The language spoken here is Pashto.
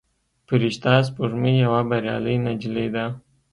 فرشته سپوږمۍ یوه بریالۍ نجلۍ ده.